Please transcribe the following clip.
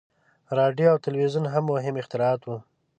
• راډیو او تلویزیون هم مهم اختراعات وو.